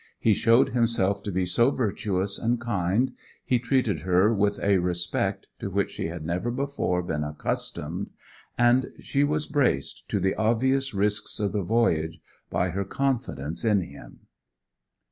He showed himself to be so virtuous and kind; he treated her with a respect to which she had never before been accustomed; and she was braced to the obvious risks of the voyage by her confidence in him.